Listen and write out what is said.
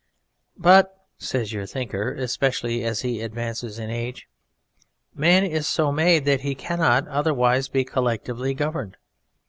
"But," (says your thinker, especially as he advances in age) "man is so made that he cannot otherwise be collectively governed.